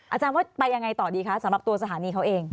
อาจารย์ว่าไปยังไงต่อดีคะสำหรับตัวสถานีเขาเอง